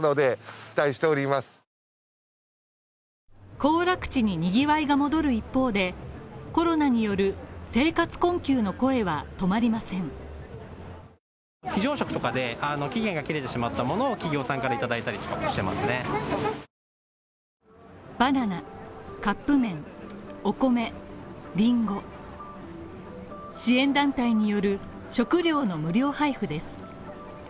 行楽地ににぎわいが戻る一方で、コロナによる生活困窮の声は止まりませんバナナ、カップ麺、お米、リンゴ。支援団体による食料の無料配布です。